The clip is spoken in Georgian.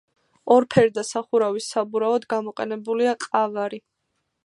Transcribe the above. ორფერდა სახურავის საბურავად გამოყენებულია ყავარი.